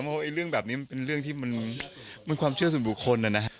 เพราะเรื่องแบบนี้มันเป็นเรื่องที่มันความเชื่อส่วนบุคคลนะนะ